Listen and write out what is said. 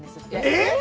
えっ！